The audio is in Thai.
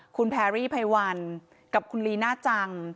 คุณแพรรี่ไพวันกับคุณลีน่าจัง